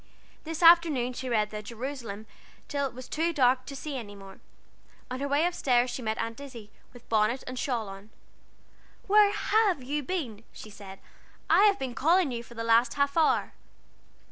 This afternoon she read the Jerusalem till It was too dark to see any more. On her way up stairs she met Aunt Izzie, with bonnet and shawl on. "Where have you been?" she said. "I have been calling you for the last half hour."